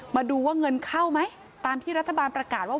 มาดูว่าเงินเข้าไหมตามที่รัฐบาลประกาศว่า